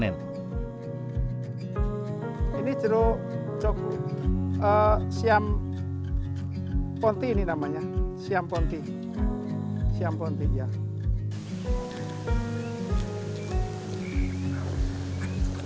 kebun jeruk di banyuwangi selatan